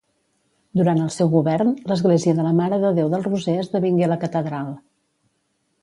Durant el seu govern, l'església de la Mare de Déu del Roser esdevingué la catedral.